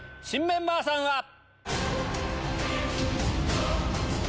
新メンバーさんは⁉